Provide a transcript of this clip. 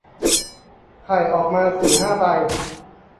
ไข่ออกมาสี่ห้าใบ